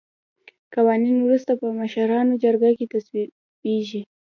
قوانین وروسته په مشرانو جرګه کې تصویبیږي.